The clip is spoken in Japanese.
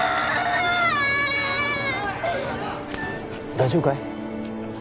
大丈夫かい？